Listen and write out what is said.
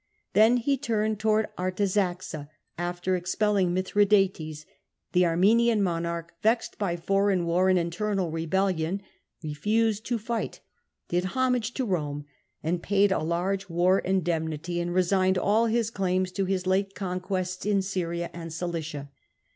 When he turned towards Artaxata after expelling Mithradates, the Armenian monarch, vexed by foreign war and internal rebellion, refused to fight, did homage to Rome, paid a large war indemnity, and resigned all his claims to his late conquests in Syria and Cilicia.